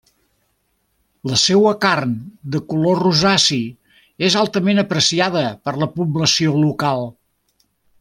La seua carn de color rosaci és altament apreciada per la població local.